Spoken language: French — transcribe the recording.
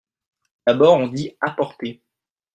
D’abord on dit apporter…